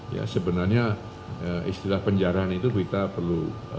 ya sebenarnya istilah penjarahan itu kita perlu